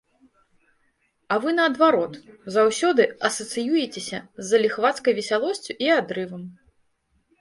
А вы, наадварот, заўсёды асацыюецеся з заліхвацкай весялосцю і адрывам!